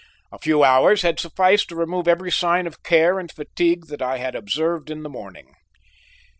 A few hours had sufficed to remove every sign of care and fatigue that I had observed in the morning.